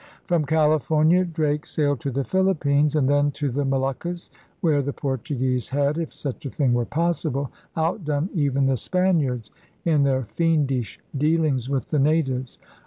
From California Drake sailed to the Philippines; and then to the Moluccas, where the Portuguese had, if such a thing were possible, outdone even the Spaniards in their fiendish dealings with the natives.